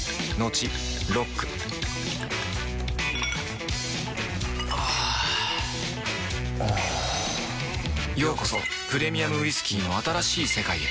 トクトクあぁおぉようこそプレミアムウイスキーの新しい世界へ